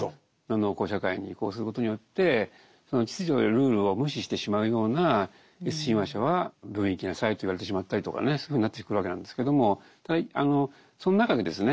農耕社会に移行することによってその秩序やルールを無視してしまうようなＳ親和者は病院行きなさいと言われてしまったりとかねそういうふうになってくるわけなんですけれどもその中でですね